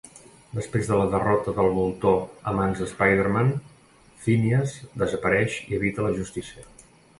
Després de la derrota del Voltor a mans de Spider-Man, Phineas desapareix i evita la justícia.